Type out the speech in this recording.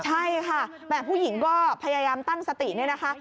ใช่ค่ะผู้หญิงก็พยายามตั้งสตินะคะ